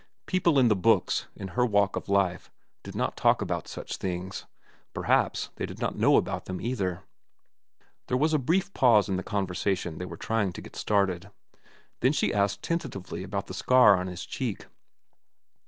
People in the books, in her walk of life, did not talk about such things—perhaps they did not know about them, either. There was a brief pause in the conversation they were trying to get started. Then she asked tentatively about the scar on his cheek.